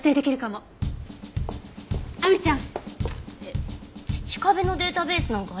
亜美ちゃん！